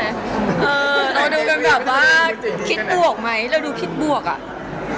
เราดูกันแบบว่าคิดบวกไหมเราดูคิดบวกอ่ะ